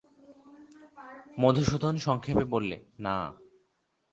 মধুসূদন সংক্ষেপে বললে, না।